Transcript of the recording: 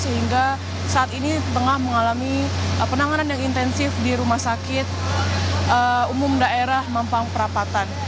sehingga saat ini tengah mengalami penanganan yang intensif di rumah sakit umum daerah mampang perapatan